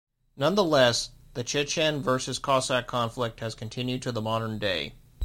Nonetheless, the Chechen versus Cossack conflict has continued to the modern day.